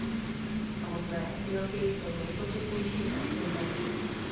V samotné Etiopii jsou nejpočetnějším etnikem.